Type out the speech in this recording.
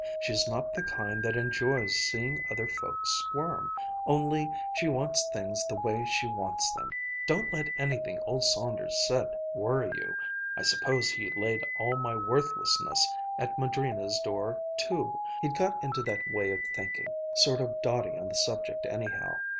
She's not the kind that enjoys seeing other folks squirm. Only she wants things the way she wants them. Don't let anything old Saunders said worry you. I suppose he laid all my worthlessness at Madrina's door too. He'd got into that way of thinking, sort of dotty on the subject anyhow.